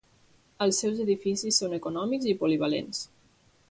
Els seus edificis són econòmics i polivalents.